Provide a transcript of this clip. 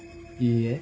いいえ。